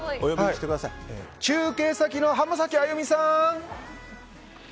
中継先の浜崎あゆみさん！